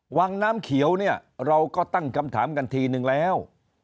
วังน้ำเขียวเนี่ยเราก็ตั้งคำถามกันทีนึงแล้ว